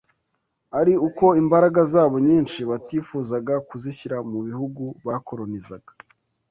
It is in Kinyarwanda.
ari uko imbaraga zabo nyinshi batifuzaga kuzishyira mu bihugu bakolonizaga